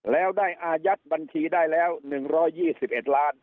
แล้วได้อายัดบัญชีได้แล้ว๑๒๑ล้าน